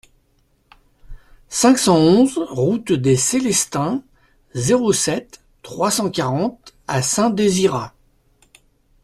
cinq cent onze route des Célestins, zéro sept, trois cent quarante à Saint-Désirat